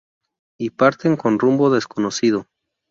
Y parten con rumbo desconocido.